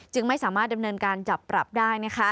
ไม่สามารถดำเนินการจับปรับได้